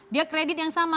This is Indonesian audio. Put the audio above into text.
dia kredit yang sama